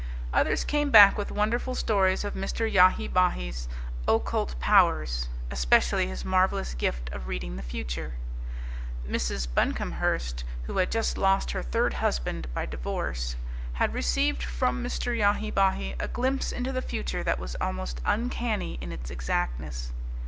Others came back with wonderful stories of Mr. Yahi Bahi's occult powers, especially his marvellous gift of reading the future. Mrs. Buncomhearst, who had just lost her third husband by divorce had received from Mr. Yahi Bahi a glimpse into the future that was almost uncanny in its exactness.